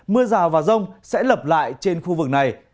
mưa rào và rông sẽ lặp lại trên khu vực này